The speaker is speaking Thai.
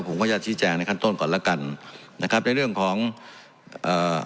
ผมก็จะชี้แจงในขั้นต้นก่อนแล้วกันนะครับในเรื่องของเอ่อ